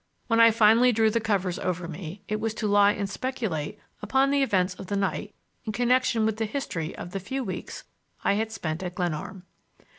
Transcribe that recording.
When I finally drew the covers over me it was to lie and speculate upon the events of the night in connection with the history of the few weeks I had spent at Glenarm.